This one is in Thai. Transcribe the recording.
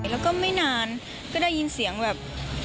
แล้วก็ไม่นานก็ได้ยินเสียงแบบ